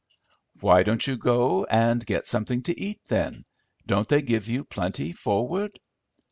"Why don't you go and get something to eat, then? Don't they give you plenty forward?"